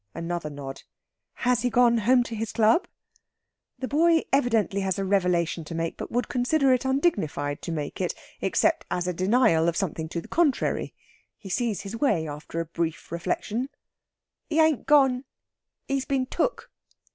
Another nod. "Has he gone home to his club?" The boy evidently has a revelation to make, but would consider it undignified to make it except as a denial of something to the contrary. He sees his way after a brief reflection. "He ain't gone. He's been took."